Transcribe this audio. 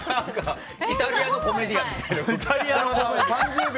イタリアのコメディアンみたいな。